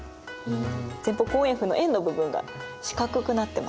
前方後円墳の円の部分が四角くなってますね。